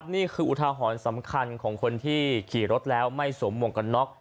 นี่คืออุทหรณ์สำคัญของคนที่ขี่รถแล้วไม่สมมุ่งกับน็อค